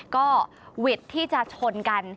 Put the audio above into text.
ก็วิทย์ที่จะชนกัน